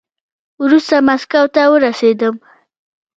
وروسته ماسکو ته ورسېدم.